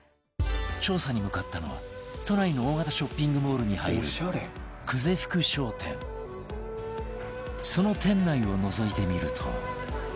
調査に向かったのは都内の大型ショッピングモールに入るその店内をのぞいてみると